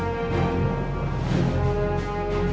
สวัสดีครับ